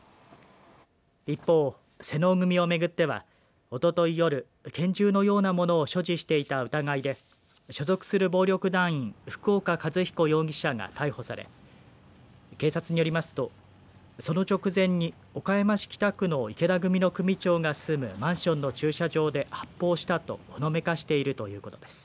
一方、妹尾組を巡ってはおととい夜、拳銃のようなものを所持していた疑いで所属する暴力団員福岡一彦容疑者が逮捕され警察によりますと、その直前に岡山市北区の池田組の組長が住むマンションの駐車場で発砲したとほのめかしているということです。